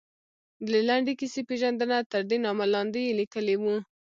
د لنډې کیسې پېژندنه، تردې نامه لاندې یې لیکلي وو.